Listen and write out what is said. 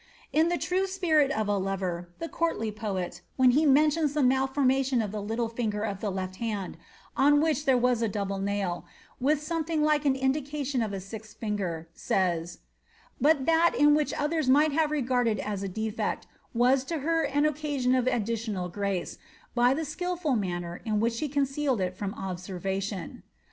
In the true spirit of a lover, the courtly poet, when he mentions the malformation of the little £nger of the left hand, on which there was a double nail, with something like an indication of a tilth finger, sajrs, ^ but that which in others might have been regarded M a defect was to her an occasion of additional grace, by the skilful Banner in which she concealed it from observation."